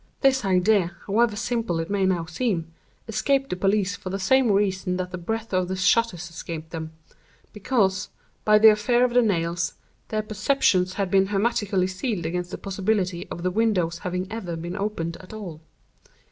This idea, however simple it may now seem, escaped the police for the same reason that the breadth of the shutters escaped them—because, by the affair of the nails, their perceptions had been hermetically sealed against the possibility of the windows having ever been opened at all.